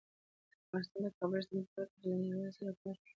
افغانستان د کابل سیند په برخه کې له نړیوالو سره کار کوي.